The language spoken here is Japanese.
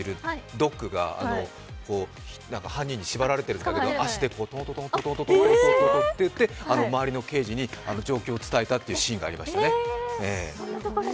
ドッグが犯人に縛られてるんだけど、トントトントってやって、周りの刑事に状況を伝えたというシーンがありましたね。